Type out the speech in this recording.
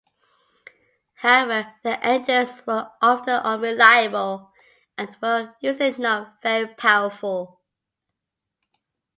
However their engines were often unreliable and were usually not very powerful.